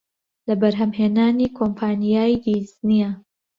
لە بەرهەمهێنانی کۆمپانیای دیزنییە